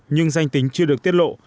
nhưng danh tính chưa được tiết lộ